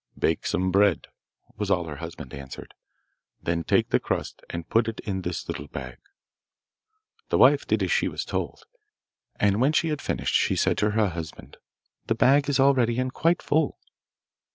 'Bake some bread,' was all her husband answered, 'then take the crust and put it in this little bag.' The wife did as she was told, and when she had finished she said to her husband, 'The bag is all ready and quite full.